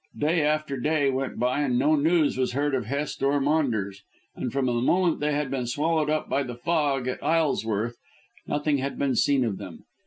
Day after day went by and no news was heard of Hest or Maunders, and from the moment they had been swallowed up by the fog at Isleworth nothing had been seen of them.